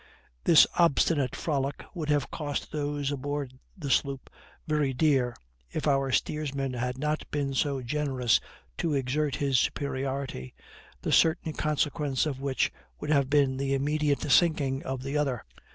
This obstinate frolic would have cost those aboard the sloop very dear, if our steersman had not been too generous to exert his superiority, the certain consequence of which would have been the immediate sinking of the other.